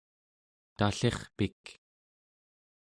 tallirpik